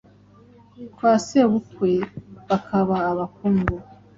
Kwa sebukwe bakaba abakungu,